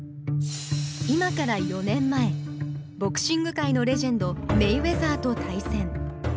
今から４年前ボクシング界のレジェンドメイウェザーと対戦。